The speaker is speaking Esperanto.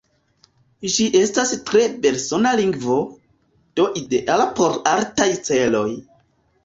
Ĝi estas tre belsona lingvo, do ideala por artaj celoj.